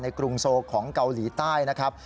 กรุงโซของเกาหลีใต้นะครับ